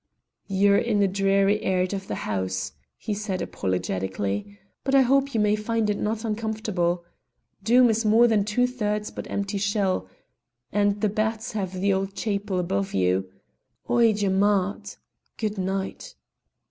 "You're in a dreary airt of the house," he said apologetically, "but I hope you may find it not uncomfortable. Doom is more than two thirds but empty shell, and the bats have the old chapel above you. Oidhche mhath! Good night!"